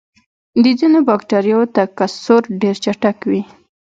د ځینو بکټریاوو تکثر ډېر چټک وي.